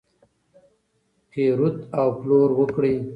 پیرود او پلور وکړئ.